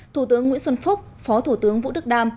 thủ tướng nguyễn xuân phúc phó thủ tướng vũ đức đam